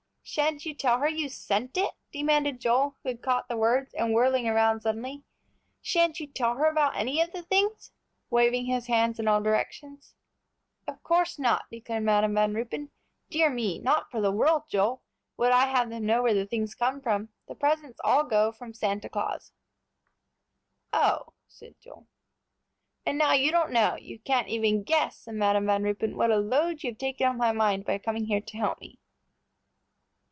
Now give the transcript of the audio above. "Shan't you tell her you sent it?" demanded Joel, who had caught the words, and whirling around suddenly; "shan't you tell her about any of the things?" waving his hands in all directions. "Of course not," declared Madam Van Ruypen. "Dear me, not for the world, Joel, would I have them know where the things come from. The presents all go from Santa Claus." "Oh!" said Joel. "And now you don't know you can't even guess," said Madam Van Ruypen, "what a load you have taken off my mind by coming here to help me."